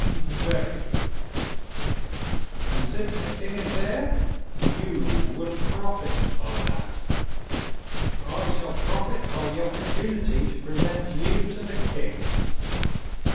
"Very good." "And since the king is there " "You will profit by that." "I shall profit by the opportunity to present you to the king."